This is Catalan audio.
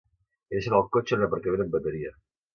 He deixat el cotxe en un aparcament en bateria.